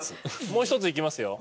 もう一ついきますよ。